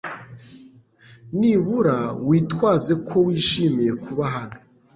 Nibura witwaze ko wishimiye kuba hano .